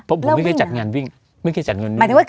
ผมไม่เคยจัดงานวิ่งไม่เคยจัดงานวิ่ง